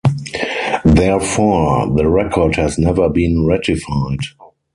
Therefore, the record has never been ratified.